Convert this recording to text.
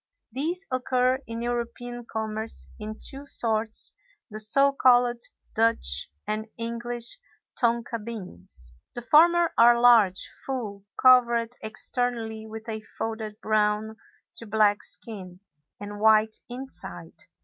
These occur in European commerce in two sorts, the so called Dutch and English tonka beans; the former are large, full, covered externally with a folded brown to black skin, and white inside.